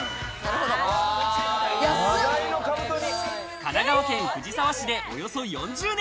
神奈川県藤沢市でおよそ４０年。